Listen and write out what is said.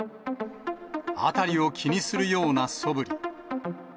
辺りを気にするようなそぶり。